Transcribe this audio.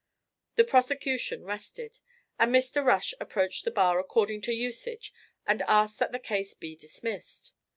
The prosecution rested, and Mr. Rush approached the bar according to usage and asked that the case be dismissed.